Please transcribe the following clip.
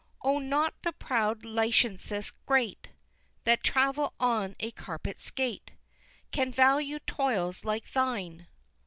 Oh, not the proud licentious great, That travel on a carpet skate, Can value toils like thine!